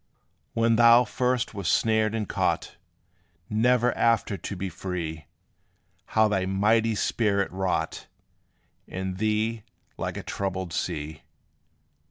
When thou first was snared and caught, Never after to be free, How thy mighty spirit wrought In thee, like a troubled sea!